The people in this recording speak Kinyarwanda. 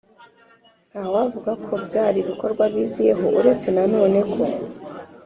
ntawavuga ko byari ibikorwa biziyeho. uretse nanone ko